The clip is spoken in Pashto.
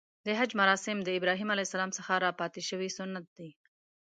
د حج مراسم د ابراهیم ع څخه راپاتې شوی سنت دی .